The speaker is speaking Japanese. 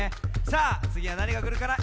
さあつぎはなにがくるかな？